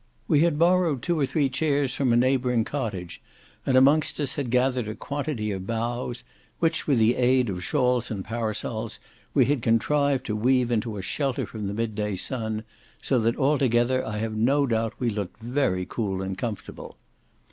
We had borrowed two or three chairs from a neighbouring cottage, and amongst us had gathered a quantity of boughs which, with the aid of shawls and parasols, we had contrived to weave into a shelter from the midday sun, so that altogether I have no doubt we looked very cool and comfortable.